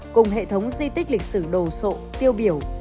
cùng hệ thống di tích lịch sử đồ sộ tiêu biểu